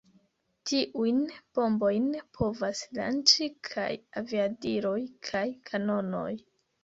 Tiujn bombojn povas lanĉi kaj aviadiloj kaj kanonoj.